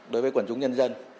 đối với quần chúng nhân dân